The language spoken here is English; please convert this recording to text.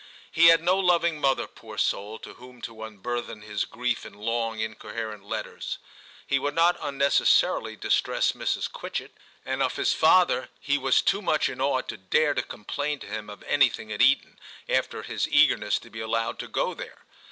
He had no loving mother, poor soul, to whom to unburthen his grief in long incoherent letters ; he would not un necessarily distress Mrs. Quitchett, and of his father he was too much in awe to dare to complain to him of anything at Eton, after his eagerness to be allowed to go there.